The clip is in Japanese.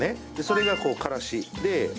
それが、このからしで。